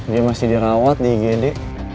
dia masih dirawat di igd